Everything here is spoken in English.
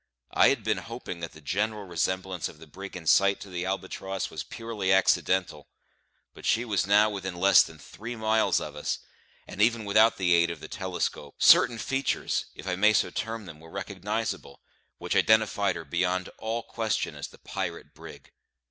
I had been hoping that the general resemblance of the brig in sight to the Albatross was purely accidental; but she was now within less than three miles of us; and, even without the aid of the telescope, certain features, if I may so term them, were recognisable, which identified her beyond all question as the pirate brig.